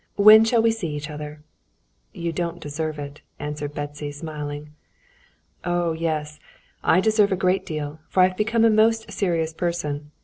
"When shall we see each other?" "You don't deserve it," answered Betsy, smiling. "Oh, yes, I deserve a great deal, for I've become a most serious person.